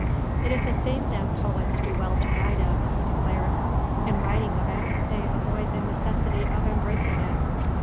"It is a theme that poets do well to write of," he declared. "In writing of it they avoid the necessity of embracing it.